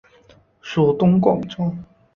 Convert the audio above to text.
属东广州。